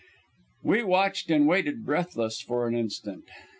We watched and waited breathless for an instant.